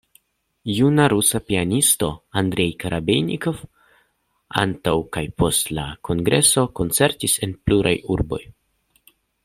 Juna rusa pianisto Andrej Korobejnikov antaŭ kaj post la kongreso koncertis en pluraj urboj.